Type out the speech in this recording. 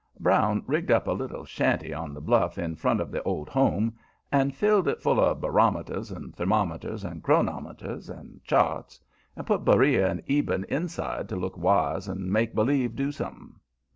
Brown rigged up a little shanty on the bluff in front of the "Old Home," and filled it full of barometers and thermometers and chronometers and charts, and put Beriah and Eben inside to look wise and make b'lieve do something.